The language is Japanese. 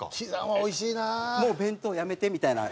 「もう弁当やめて」みたいな。